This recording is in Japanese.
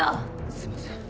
すいません。